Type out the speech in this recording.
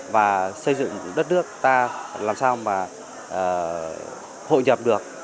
và xây dựng đất nước ta làm sao mà hội nhập được